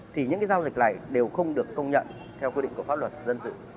thì những giao dịch này đều không được công nhận theo quy định của pháp luật dân sự